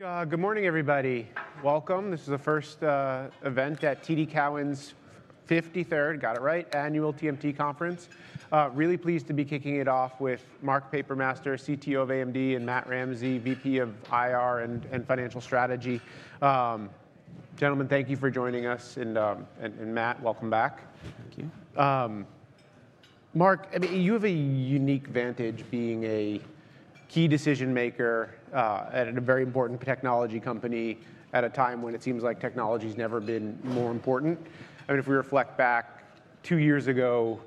Good morning, everybody. Welcome. This is the first event at TD Cowen's 53rd, got it right, annual TMT conference. Really pleased to be kicking it off with Mark Papermaster, CTO of AMD, and Matt Ramsay, VP of IR and Financial Strategy. Gentlemen, thank you for joining us. Matt, welcome back. Thank you. Mark, you have a unique vantage being a key decision maker at a very important technology company at a time when it seems like technology has never been more important. I mean, if we reflect back two years ago,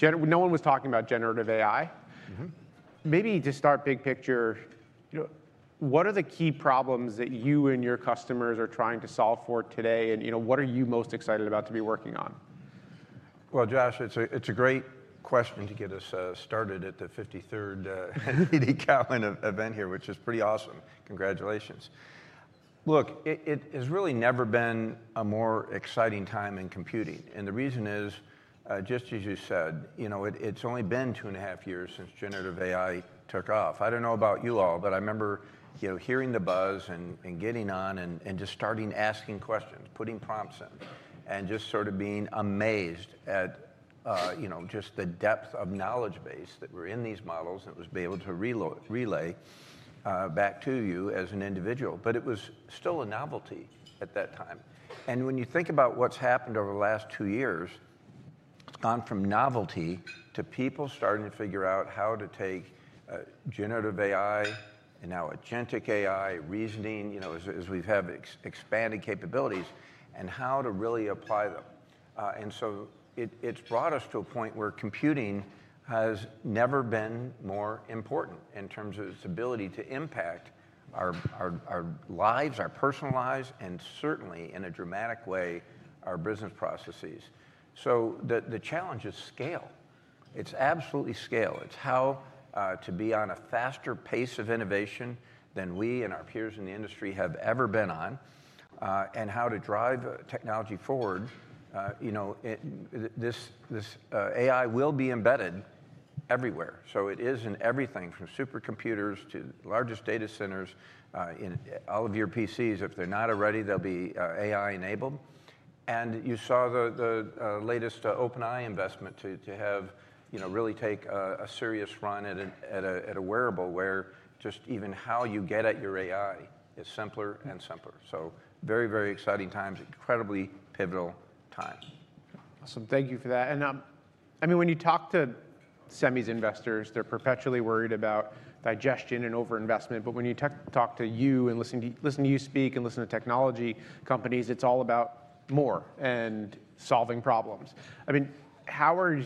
no one was talking about generative AI. Maybe to start big picture, what are the key problems that you and your customers are trying to solve for today? What are you most excited about to be working on? Josh, it's a great question to get us started at the 53rd TD Cowen event here, which is pretty awesome. Congratulations. Look, it has really never been a more exciting time in computing. The reason is, just as you said, it's only been 2.5 years since generative AI took off. I don't know about you all, but I remember hearing the buzz and getting on and just starting asking questions, putting prompts in, and just sort of being amazed at just the depth of knowledge base that were in these models and it was able to relay back to you as an individual. It was still a novelty at that time. When you think about what's happened over the last two years, it's gone from novelty to people starting to figure out how to take generative AI and now agentic AI, reasoning, as we've had expanded capabilities, and how to really apply them. It has brought us to a point where computing has never been more important in terms of its ability to impact our lives, our personal lives, and certainly in a dramatic way, our business processes. The challenge is scale. It's absolutely scale. It's how to be on a faster pace of innovation than we and our peers in the industry have ever been on and how to drive technology forward. This AI will be embedded everywhere. It is in everything from supercomputers to the largest data centers, in all of your PCs. If they're not already, they'll be AI enabled. You saw the latest OpenAI investment to have really take a serious run at a wearable where just even how you get at your AI is simpler and simpler. Very, very exciting times, incredibly pivotal time. Awesome. Thank you for that. I mean, when you talk to semis investors, they're perpetually worried about digestion and overinvestment. When you talk to you and listen to you speak and listen to technology companies, it's all about more and solving problems. I mean, how are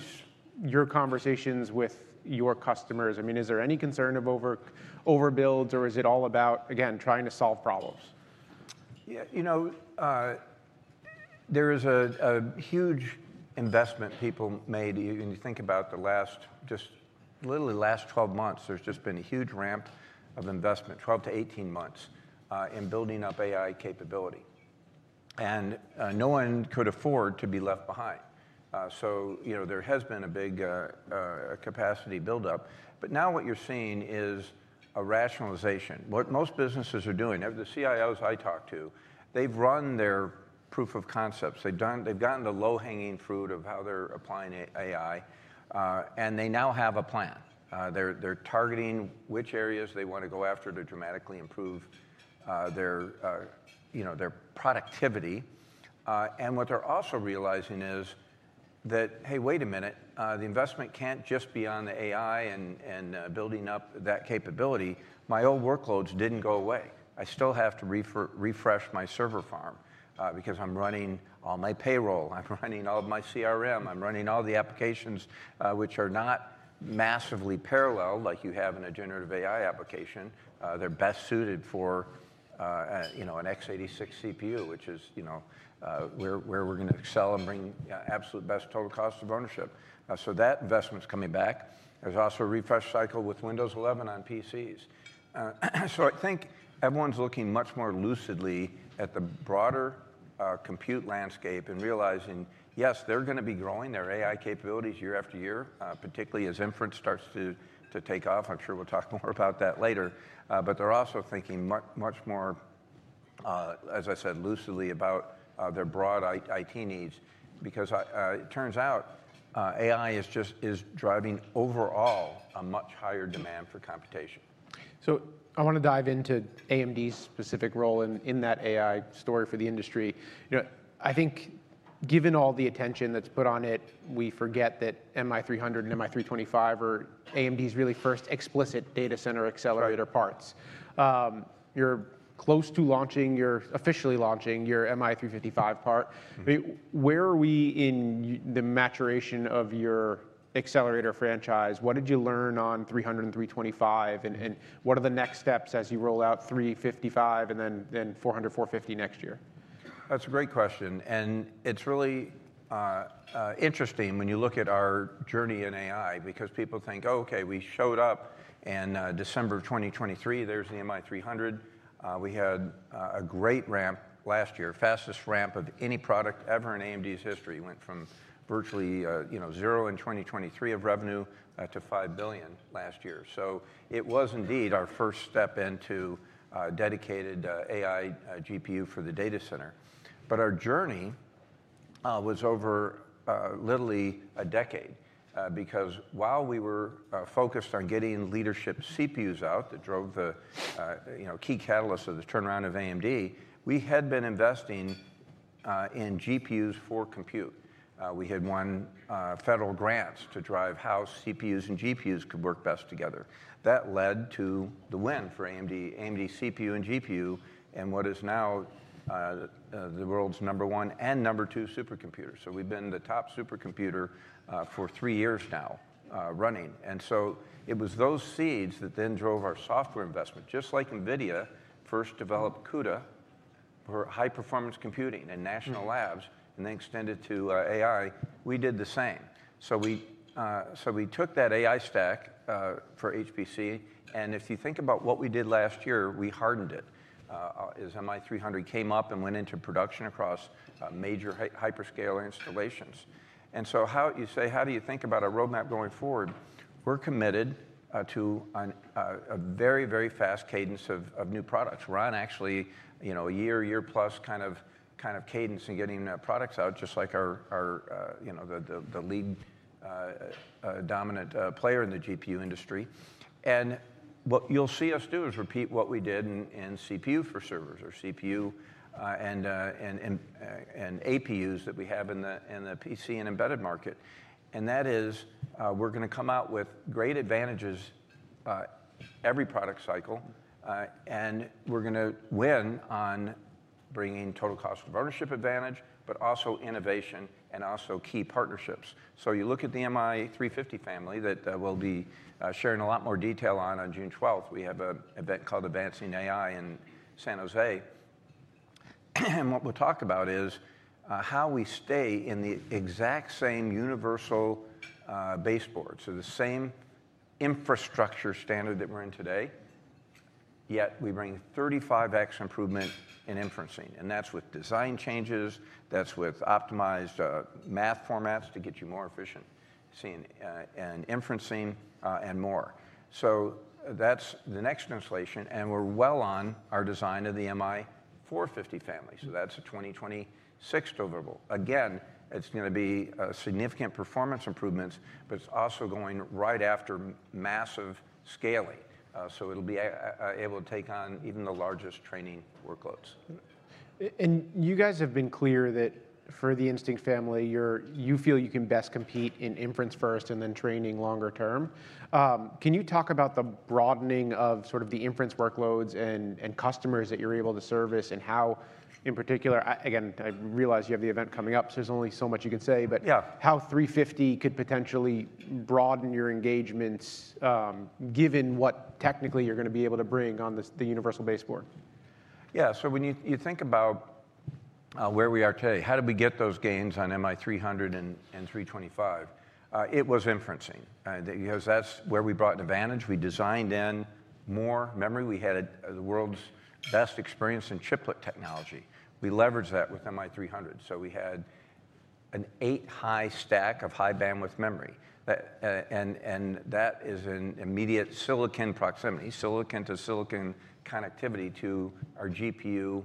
your conversations with your customers? I mean, is there any concern of overbuilds or is it all about, again, trying to solve problems? There is a huge investment people made. When you think about the last, just literally the last 12 months, there's just been a huge ramp of investment, 12 months-18 months in building up AI capability. No one could afford to be left behind. There has been a big capacity buildup. Now what you're seeing is a rationalization. What most businesses are doing, the CIOs I talk to, they've run their proof of concepts. They've gotten the low hanging fruit of how they're applying AI. They now have a plan. They're targeting which areas they want to go after to dramatically improve their productivity. What they're also realizing is that, hey, wait a minute, the investment can't just be on the AI and building up that capability. My old workloads didn't go away. I still have to refresh my server farm because I'm running all my payroll. I'm running all of my CRM. I'm running all the applications which are not massively parallel like you have in a generative AI application. They're best suited for an x86 CPU, which is where we're going to excel and bring absolute best total cost of ownership. That investment's coming back. There's also a refresh cycle with Windows 11 on PCs. I think everyone's looking much more lucidly at the broader compute landscape and realizing, yes, they're going to be growing their AI capabilities year after year, particularly as inference starts to take off. I'm sure we'll talk more about that later. They're also thinking much more, as I said, lucidly about their broad IT needs because it turns out AI is driving overall a much higher demand for computation. I want to dive into AMD's specific role in that AI story for the industry. I think given all the attention that's put on it, we forget that MI300 and MI325 are AMD's really first explicit data center accelerator parts. You're close to launching, you're officially launching your MI355 part. Where are we in the maturation of your accelerator franchise? What did you learn on MI300 and MI325? What are the next steps as you roll out MI355 and then MI400, MI450 next year? That's a great question. It's really interesting when you look at our journey in AI because people think, oh, OK, we showed up in December of 2023, there's the MI300. We had a great ramp last year, fastest ramp of any product ever in AMD's history. Went from virtually zero in 2023 of revenue to $5 billion last year. It was indeed our first step into dedicated AI GPU for the data center. Our journey was over literally a decade because while we were focused on getting leadership CPUs out that drove the key catalysts of the turnaround of AMD, we had been investing in GPUs for compute. We had won federal grants to drive how CPUs and GPUs could work best together. That led to the win for AMD CPU and GPU and what is now the world's number one and number two supercomputer. We have been the top supercomputer for three years now running. It was those seeds that then drove our software investment. Just like NVIDIA first developed CUDA for high performance computing and National Labs and then extended to AI, we did the same. We took that AI stack for HPC. If you think about what we did last year, we hardened it as MI300 came up and went into production across major hyperscale installations. You say, how do you think about a roadmap going forward? We are committed to a very, very fast cadence of new products. We are on actually a year, 1+ years kind of cadence in getting products out just like the lead dominant player in the GPU industry. What you'll see us do is repeat what we did in CPU for servers or CPU and APUs that we have in the PC and embedded market. That is, we're going to come out with great advantages every product cycle. We're going to win on bringing total cost of ownership advantage, but also innovation and also key partnerships. You look at the MI350 family that we'll be sharing a lot more detail on on June 12. We have an event called Advancing AI in San Jose. What we'll talk about is how we stay in the exact same universal baseboards, so the same infrastructure standard that we're in today, yet we bring 35x improvement in inferencing. That's with design changes. That's with optimized math formats to get you more efficient in inferencing and more. That's the next translation. We are well on our design of the MI450 family. That is a 2026 deliverable. Again, it is going to be significant performance improvements, but it is also going right after massive scaling. It will be able to take on even the largest training workloads. You guys have been clear that for the Instinct family, you feel you can best compete in inference first and then training longer term. Can you talk about the broadening of sort of the inference workloads and customers that you're able to service and how in particular, again, I realize you have the event coming up, so there's only so much you can say, but how 350 could potentially broaden your engagements given what technically you're going to be able to bring on the universal baseboard? Yeah. When you think about where we are today, how did we get those gains on MI300 and MI325? It was inferencing because that's where we brought advantage. We designed in more memory. We had the world's best experience in chiplet technology. We leveraged that with MI300. We had an eight high stack of high bandwidth memory. That is in immediate silicon proximity, silicon to silicon connectivity to our GPU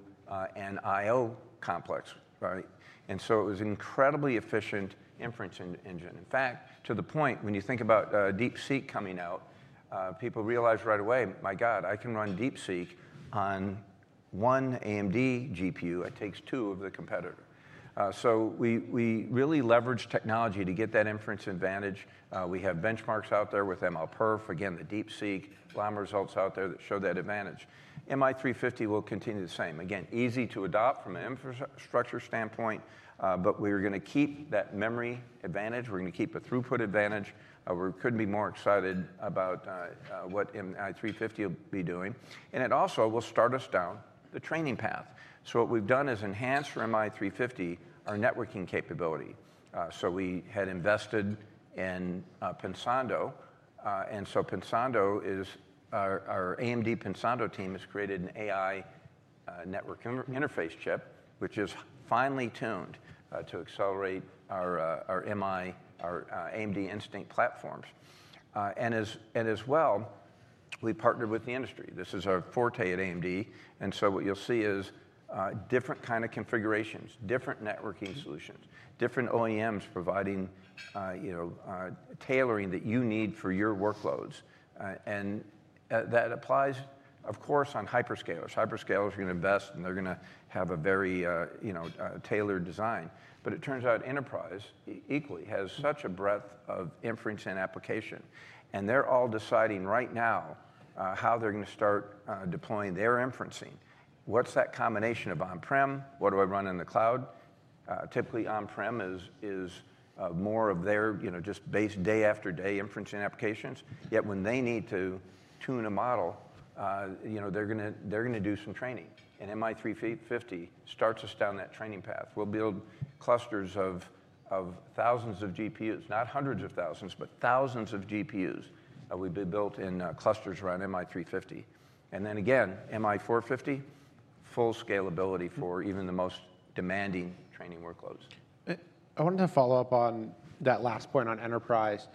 and IO complex. It was an incredibly efficient inference engine. In fact, to the point when you think about DeepSeek coming out, people realize right away, my God, I can run DeepSeek on one AMD GPU. It takes two of the competitor. We really leveraged technology to get that inference advantage. We have benchmarks out there with MLPerf, again, the DeepSeek Llama results out there that show that advantage. MI350 will continue the same. Again, easy to adopt from an infrastructure standpoint, but we're going to keep that memory advantage. We're going to keep a throughput advantage. We couldn't be more excited about what MI350 will be doing. It also will start us down the training path. What we've done is enhance for MI350 our networking capability. We had invested in Pensando. Pensando is our AMD Pensando team that has created an AI network interface chip, which is finely tuned to accelerate our AMD Instinct platforms. As well, we partnered with the industry. This is our forte at AMD. What you'll see is different kind of configurations, different networking solutions, different OEMs providing tailoring that you need for your workloads. That applies, of course, on hyperscalers. Hyperscalers are going to invest and they're going to have a very tailored design. It turns out enterprise equally has such a breadth of inference and application. They're all deciding right now how they're going to start deploying their inferencing. What's that combination of on-prem? What do I run in the cloud? Typically, on-prem is more of their just day after day inference and applications. Yet when they need to tune a model, they're going to do some training. MI350 starts us down that training path. We'll build clusters of thousands of GPUs, not hundreds of thousands, but thousands of GPUs that will be built in clusters around MI350. MI450, full scalability for even the most demanding training workloads. I wanted to follow up on that last point on enterprise.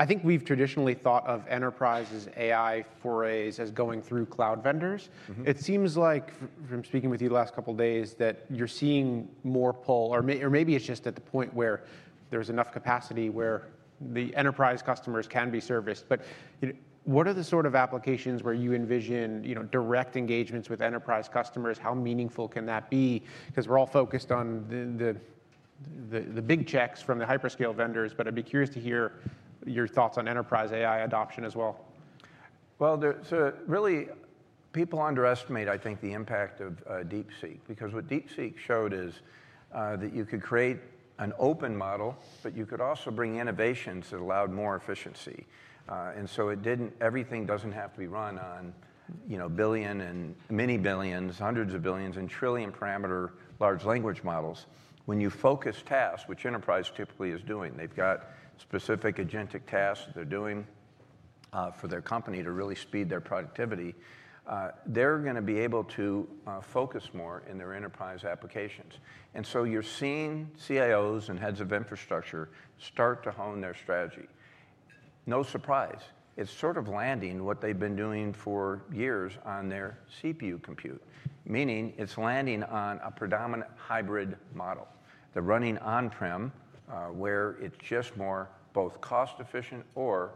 I think we've traditionally thought of enterprise as AI forays as going through cloud vendors. It seems like from speaking with you the last couple of days that you're seeing more pull, or maybe it's just at the point where there's enough capacity where the enterprise customers can be serviced. What are the sort of applications where you envision direct engagements with enterprise customers? How meaningful can that be? We're all focused on the big checks from the hyperscale vendors, but I'd be curious to hear your thoughts on enterprise AI adoption as well. People underestimate, I think, the impact of DeepSeek because what DeepSeek showed is that you could create an open model, but you could also bring innovations that allowed more efficiency. It didn't, everything doesn't have to be run on billion and many billions, hundreds of billions, and trillion parameter large language models. When you focus tasks, which enterprise typically is doing, they've got specific agentic tasks they're doing for their company to really speed their productivity. They're going to be able to focus more in their enterprise applications. You're seeing CIOs and heads of infrastructure start to hone their strategy. No surprise, it's sort of landing what they've been doing for years on their CPU compute, meaning it's landing on a predominant hybrid model. They're running on-prem where it's just more both cost efficient or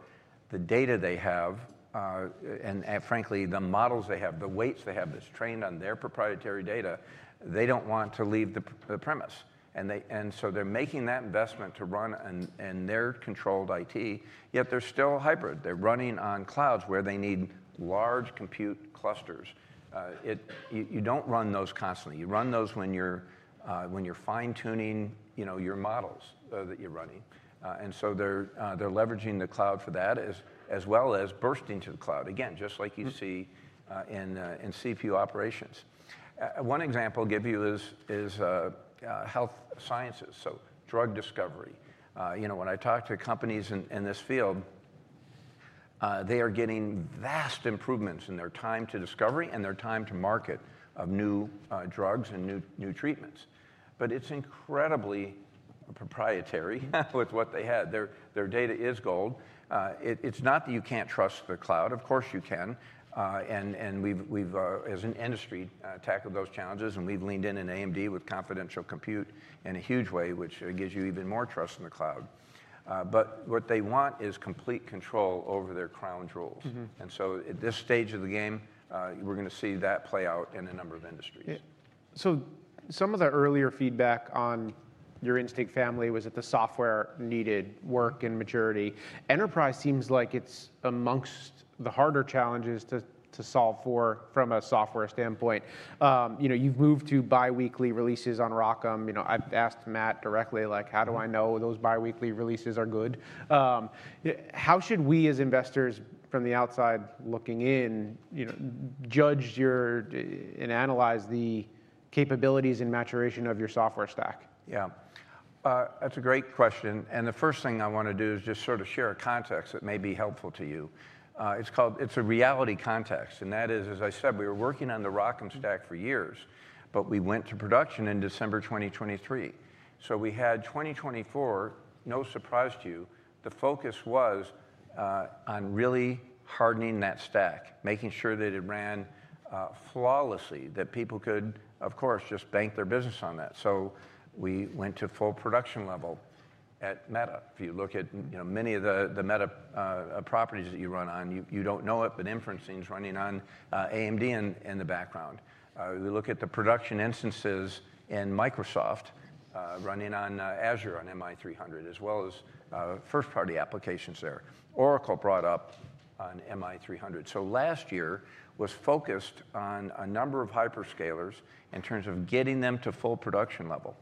the data they have and frankly, the models they have, the weights they have that's trained on their proprietary data, they don't want to leave the premise. They're making that investment to run in their controlled IT, yet they're still hybrid. They're running on clouds where they need large compute clusters. You don't run those constantly. You run those when you're fine-tuning your models that you're running. They're leveraging the cloud for that as well as bursting to the cloud again, just like you see in CPU operations. One example I'll give you is health sciences, so drug discovery. When I talk to companies in this field, they are getting vast improvements in their time to discovery and their time to market of new drugs and new treatments. It is incredibly proprietary with what they had. Their data is gold. It is not that you cannot trust the cloud. Of course you can. We, as an industry, have tackled those challenges. We have leaned in at AMD with confidential compute in a huge way, which gives you even more trust in the cloud. What they want is complete control over their crown jewels. At this stage of the game, we are going to see that play out in a number of industries. Some of the earlier feedback on your Instinct family was that the software needed work and maturity. Enterprise seems like it's amongst the harder challenges to solve for from a software standpoint. You've moved to biweekly releases on ROCm. I've asked Matt directly, like, how do I know those biweekly releases are good? How should we as investors from the outside looking in judge and analyze the capabilities and maturation of your software stack? Yeah. That's a great question. The first thing I want to do is just sort of share a context that may be helpful to you. It's a reality context. That is, as I said, we were working on the ROCm stack for years, but we went to production in December 2023. We had 2024, no surprise to you, the focus was on really hardening that stack, making sure that it ran flawlessly, that people could, of course, just bank their business on that. We went to full production level at Meta. If you look at many of the Meta properties that you run on, you don't know it, but inferencing is running on AMD in the background. We look at the production instances in Microsoft running on Azure on MI300, as well as first-party applications there. Oracle brought up on MI300. Last year was focused on a number of hyperscalers in terms of getting them to full production level.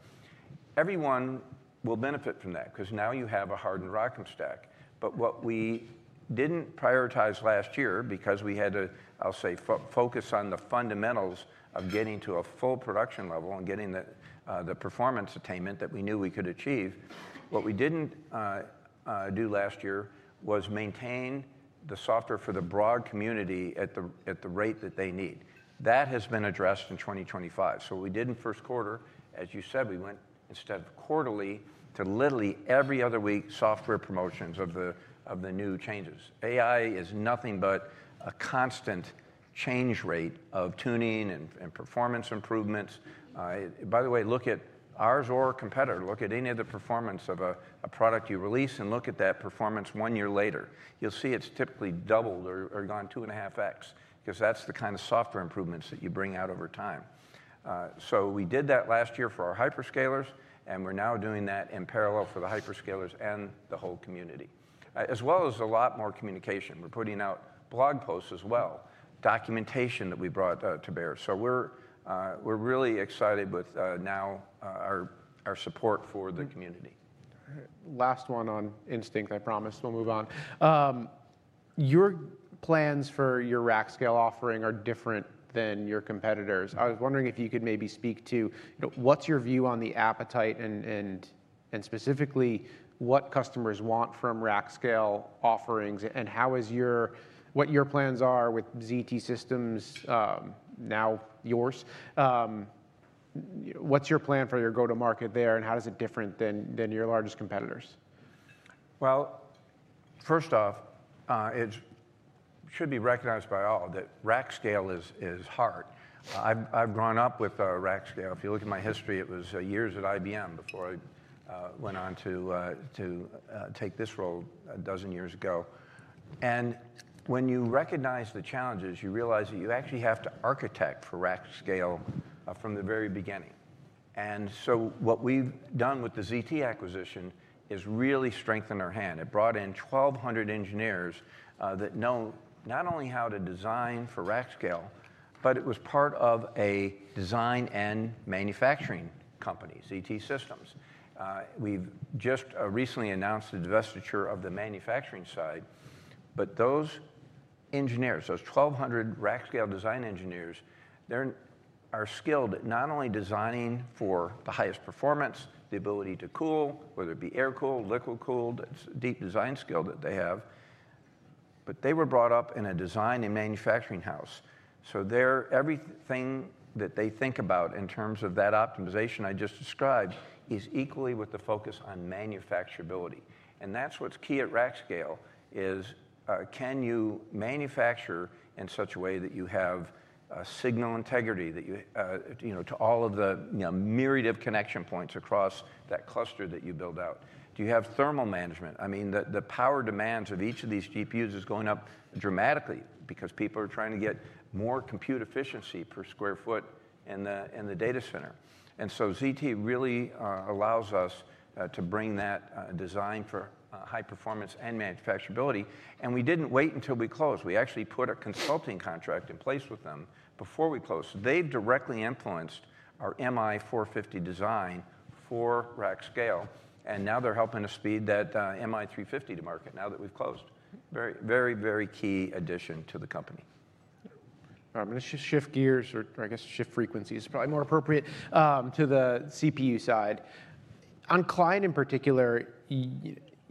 Everyone will benefit from that because now you have a hardened ROCm stack. What we did not prioritize last year because we had to, I'll say, focus on the fundamentals of getting to a full production level and getting the performance attainment that we knew we could achieve. What we did not do last year was maintain the software for the broad community at the rate that they need. That has been addressed in 2025. We did in first quarter, as you said, we went instead of quarterly to literally every other week software promotions of the new changes. AI is nothing but a constant change rate of tuning and performance improvements. By the way, look at ours or a competitor. Look at any other performance of a product you release and look at that performance one year later. You'll see it's typically doubled or gone 2.5x because that's the kind of software improvements that you bring out over time. We did that last year for our hyperscalers, and we're now doing that in parallel for the hyperscalers and the whole community, as well as a lot more communication. We're putting out blog posts as well, documentation that we brought to bear. We're really excited with now our support for the community. Last one on Instinct, I promise. We'll move on. Your plans for your Rackscale offering are different than your competitors. I was wondering if you could maybe speak to what's your view on the appetite and specifically what customers want from Rackscale offerings and what your plans are with ZT Systems, now yours. What's your plan for your go-to-market there and how is it different than your largest competitors? First off, it should be recognized by all that Rackscale is hard. I've grown up with Rackscale. If you look at my history, it was years at IBM before I went on to take this role a dozen years ago. When you recognize the challenges, you realize that you actually have to architect for Rackscale from the very beginning. What we've done with the ZT acquisition is really strengthen our hand. It brought in 1,200 engineers that know not only how to design for Rackscale, but it was part of a design and manufacturing company, ZT Systems. We've just recently announced the divestiture of the manufacturing side. Those engineers, those 1,200 Rackscale design engineers, they're skilled at not only designing for the highest performance, the ability to cool, whether it be air-cooled, liquid-cooled, it's deep design skill that they have, but they were brought up in a design and manufacturing house. Everything that they think about in terms of that optimization I just described is equally with the focus on manufacturability. That's what's key at Rackscale: can you manufacture in such a way that you have signal integrity to all of the myriad of connection points across that cluster that you build out? Do you have thermal management? I mean, the power demands of each of these GPUs is going up dramatically because people are trying to get more compute efficiency per square foot in the data center. ZT really allows us to bring that design for high performance and manufacturability. We did not wait until we closed. We actually put a consulting contract in place with them before we closed. They have directly influenced our MI450 design for Rackscale. Now they are helping us speed that MI350 to market now that we have closed. Very, very key addition to the company. Let's just shift gears or I guess shift frequencies is probably more appropriate to the CPU side. On client in particular,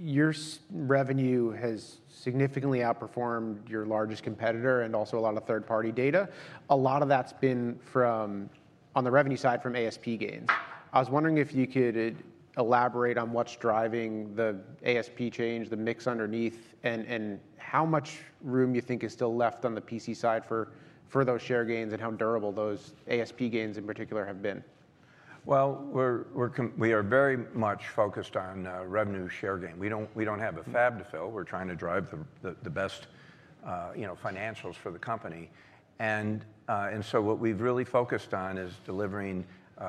your revenue has significantly outperformed your largest competitor and also a lot of third-party data. A lot of that's been from on the revenue side from ASP gains. I was wondering if you could elaborate on what's driving the ASP change, the mix underneath, and how much room you think is still left on the PC side for those share gains and how durable those ASP gains in particular have been. We are very much focused on revenue share gain. We do not have a fab to fill. We are trying to drive the best financials for the company. What we have really focused on is delivering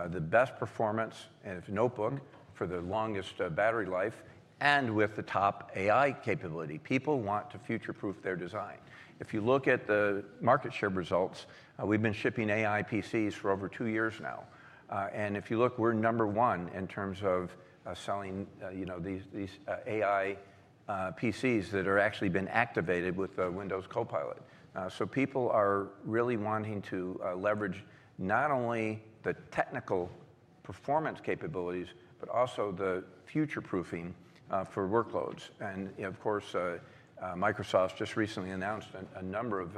the best performance notebook for the longest battery life and with the top AI capability. People want to future-proof their design. If you look at the market share results, we have been shipping AI PCs for over two years now. If you look, we are number one in terms of selling these AI PCs that have actually been activated with Windows Copilot. People are really wanting to leverage not only the technical performance capabilities, but also the future-proofing for workloads. Microsoft just recently announced a number of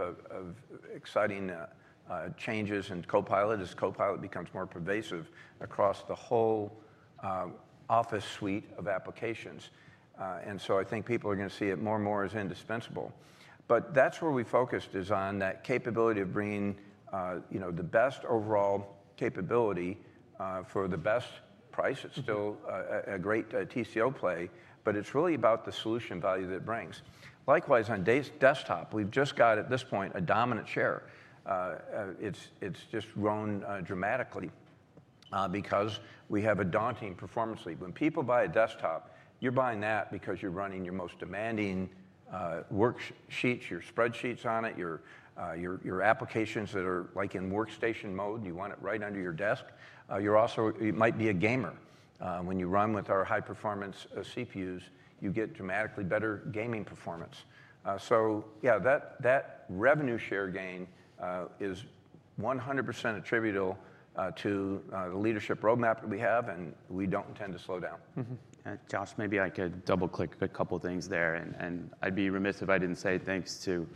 exciting changes in Copilot as Copilot becomes more pervasive across the whole Office Suite of applications. I think people are going to see it more and more as indispensable. That is where we focus, on that capability of bringing the best overall capability for the best price. It is still a great TCO play, but it is really about the solution value that it brings. Likewise, on desktop, we have just got at this point a dominant share. It has just grown dramatically because we have a daunting performance lead. When people buy a desktop, you are buying that because you are running your most demanding worksheets, your spreadsheets on it, your applications that are like in workstation mode, you want it right under your desk. You might be a gamer. When you run with our high-performance CPUs, you get dramatically better gaming performance. Yeah, that revenue share gain is 100% attributable to the leadership roadmap that we have, and we do not intend to slow down. Josh, maybe I could double-click a couple of things there. I would be remiss if I did not say thanks to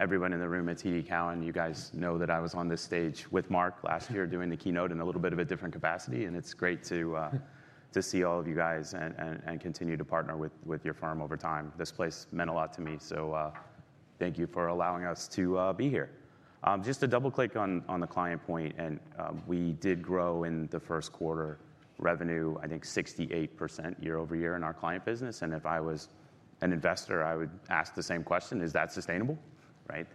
everyone in the room at TD Cowen. You guys know that I was on this stage with Mark last year doing the keynote in a little bit of a different capacity. It is great to see all of you guys and continue to partner with your firm over time. This place meant a lot to me. Thank you for allowing us to be here. Just to double-click on the client point, we did grow in the first quarter revenue, I think 68% year over year in our client business. If I was an investor, I would ask the same question. Is that sustainable? Right?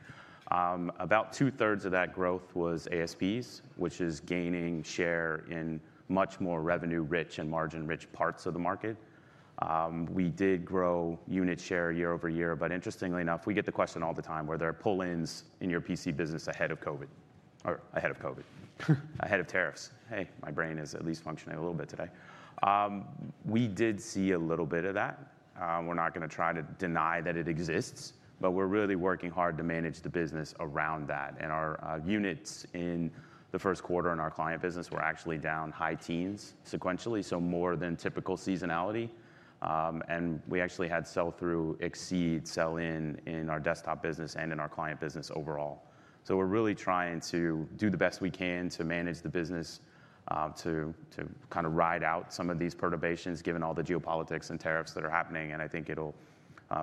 About 2/3 of that growth was ASPs, which is gaining share in much more revenue-rich and margin-rich parts of the market. We did grow unit share year over year. Interestingly enough, we get the question all the time where there are pull-ins in your PC business ahead of COVID or ahead of COVID, ahead of tariffs. Hey, my brain is at least functioning a little bit today. We did see a little bit of that. We're not going to try to deny that it exists, but we're really working hard to manage the business around that. Our units in the first quarter in our client business were actually down high teens sequentially, so more than typical seasonality. We actually had sell-through exceed sell-in in our desktop business and in our client business overall. We're really trying to do the best we can to manage the business to kind of ride out some of these perturbations given all the geopolitics and tariffs that are happening. I think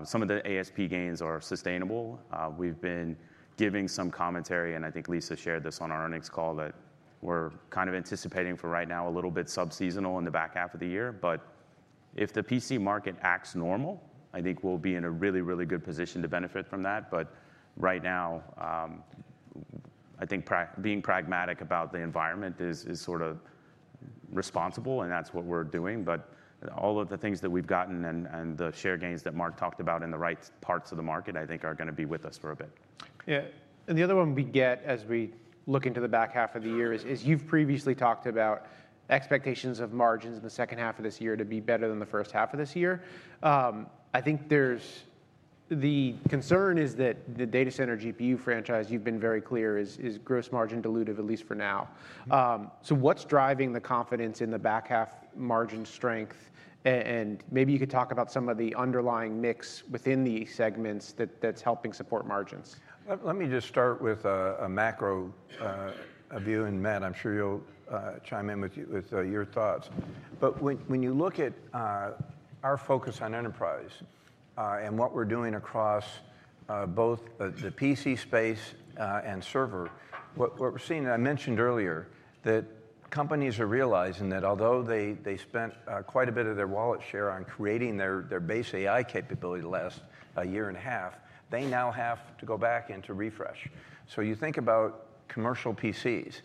some of the ASP gains are sustainable. We've been giving some commentary, and I think Lisa shared this on our earnings call that we're kind of anticipating for right now a little bit subseasonal in the back half of the year. If the PC market acts normal, I think we'll be in a really, really good position to benefit from that. Right now, I think being pragmatic about the environment is sort of responsible, and that's what we're doing. All of the things that we've gotten and the share gains that Mark talked about in the right parts of the market, I think are going to be with us for a bit. Yeah. The other one we get as we look into the back half of the year is you've previously talked about expectations of margins in the second half of this year to be better than the first half of this year. I think the concern is that the data center GPU franchise you've been very clear is gross margin dilutive, at least for now. What is driving the confidence in the back half margin strength? Maybe you could talk about some of the underlying mix within the segments that is helping support margins. Let me just start with a macro view, and Matt, I'm sure you'll chime in with your thoughts. But when you look at our focus on enterprise and what we're doing across both the PC space and server, what we're seeing, I mentioned earlier, that companies are realizing that although they spent quite a bit of their wallet share on creating their base AI capability the last year and a half, they now have to go back into refresh. You think about commercial PCs.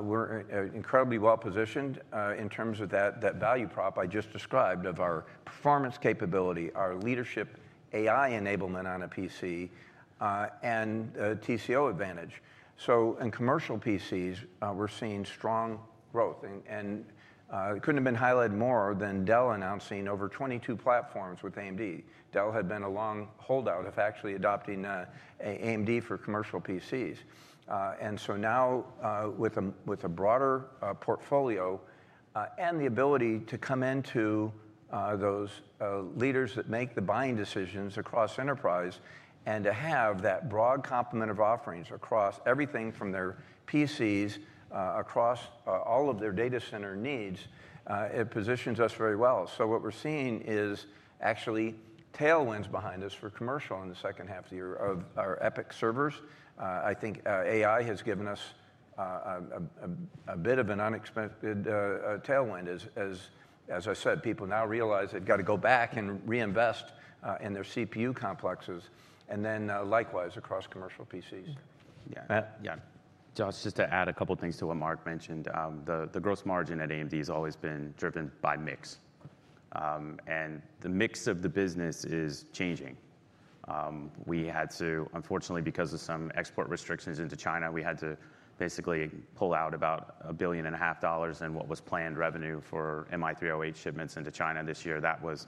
We're incredibly well positioned in terms of that value prop I just described of our performance capability, our leadership AI enablement on a PC, and TCO advantage. In commercial PCs, we're seeing strong growth. It couldn't have been highlighted more than Dell announcing over 22 platforms with AMD. Dell had been a long holdout of actually adopting AMD for commercial PCs. Now with a broader portfolio and the ability to come into those leaders that make the buying decisions across enterprise and to have that broad complement of offerings across everything from their PCs across all of their data center needs, it positions us very well. What we are seeing is actually tailwinds behind us for commercial in the second half of the year of our EPYC servers. I think AI has given us a bit of an unexpected tailwind. As I said, people now realize they have to go back and reinvest in their CPU complexes. Likewise across commercial PCs. Yeah. Josh, just to add a couple of things to what Mark mentioned. The gross margin at AMD has always been driven by mix. And the mix of the business is changing. We had to, unfortunately, because of some export restrictions into China, we had to basically pull out about $1.5 billion in what was planned revenue for MI308 shipments into China this year. That was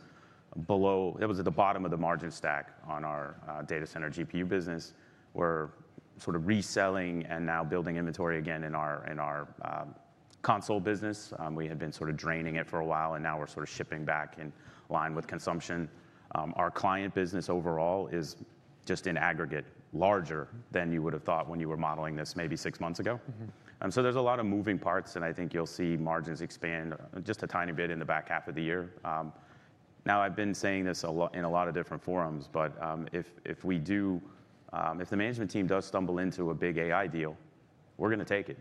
below, it was at the bottom of the margin stack on our data center GPU business. We're sort of reselling and now building inventory again in our console business. We had been sort of draining it for a while, and now we're sort of shipping back in line with consumption. Our client business overall is just in aggregate larger than you would have thought when you were modeling this maybe six months ago. There is a lot of moving parts, and I think you'll see margins expand just a tiny bit in the back half of the year. Now, I've been saying this in a lot of different forums, but if the management team does stumble into a big AI deal, we're going to take it.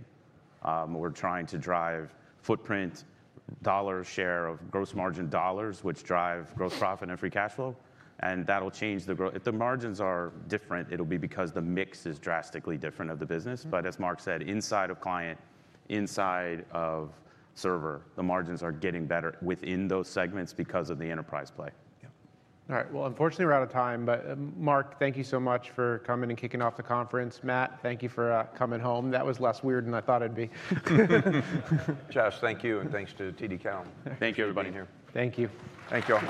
We're trying to drive footprint, dollar share of gross margin dollars, which drive gross profit and free cash flow. That'll change, the margins are different. It'll be because the mix is drastically different of the business. As Mark said, inside of client, inside of server, the margins are getting better within those segments because of the enterprise play. All right. Unfortunately, we're out of time. Mark, thank you so much for coming and kicking off the conference. Matt, thank you for coming home. That was less weird than I thought it'd be. Josh, thank you. Thank you to TD Cowen. Thank you, everybody here. Thank you. Thank you all.